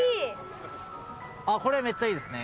あっこれはめっちゃいいですね。